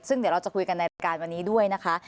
ซึ่งเดี๋ยวเราจะคุยกันในรายการวันนี้ด้วยนะคะ